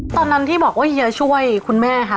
ตอนนั้นที่บอกว่าเฮียช่วยคุณแม่คะ